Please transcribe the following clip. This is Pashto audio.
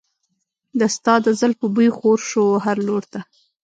د ستا د زلفو بوی خور شو هر لور ته.